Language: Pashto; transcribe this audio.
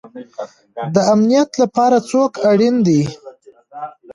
د امنیت لپاره څوک اړین دی؟